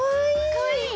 かわいい！